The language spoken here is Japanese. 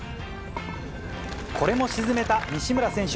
これも沈めた西村選手。